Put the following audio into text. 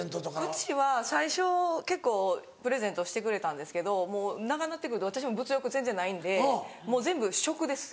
うちは最初結構プレゼントしてくれたんですけどもう長なってくると私も物欲全然ないんでもう全部食です